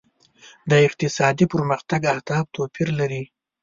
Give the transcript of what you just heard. د اقتصادي پرمختګ اهداف توپیر لري.